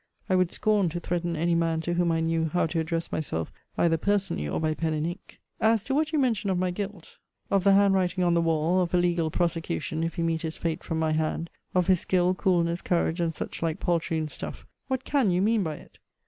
I would scorn to threaten any man to whom I knew how to address myself either personally or by pen and ink. As to what you mention of my guilt; of the hand writing on the wall; of a legal prosecution, if he meet his fate from my hand; of his skill, coolness, courage, and such like poltroon stuff; what can you mean by it?